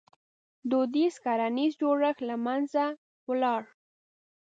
• دودیز کرنیز جوړښت له منځه ولاړ.